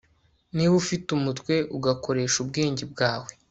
Niba ufite umutwe ugakoresha ubwenge bwawe